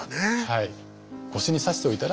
はい。